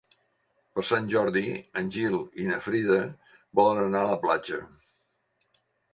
Per Sant Jordi en Gil i na Frida volen anar a la platja.